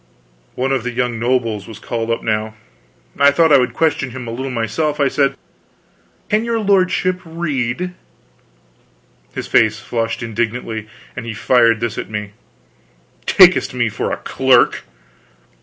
One of the young nobles was called up now. I thought I would question him a little myself. I said: "Can your lordship read?" His face flushed indignantly, and he fired this at me: "Takest me for a clerk?